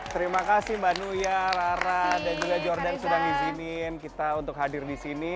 terima kasih mbak nuya rara dan juga jordan sudah ngizinin kita untuk hadir di sini